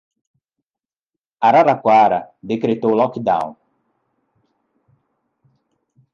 Araraquara decretou lockdown